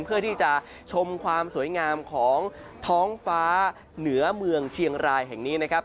เพื่อที่จะชมความสวยงามของท้องฟ้าเหนือเมืองเชียงรายแห่งนี้นะครับ